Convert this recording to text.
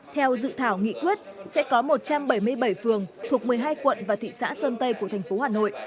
theo dự thảo nghị quyết sẽ có một trăm bảy mươi bảy phường thuộc một mươi hai quận và thị xã dân tây của tp hà nội